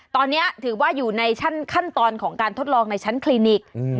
ตอนนี้ถือว่าอยู่ในขั้นตอนของการทดลองในชั้นคลินิก